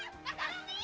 aku mau ke rumah